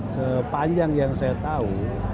sepanjang yang saya tahu